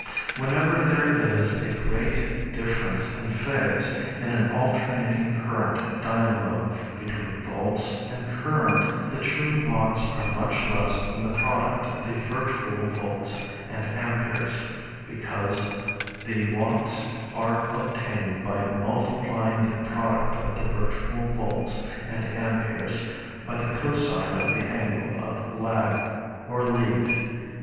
Whenever there is a great difference in phase in an alternating current dynamo between volts and current, the true watts are much less than the product of the virtual volts and amperes, because the the watts are obtained by multiplying the product of the virtual volts and amperes by the cosine of the angle of lag (or lead).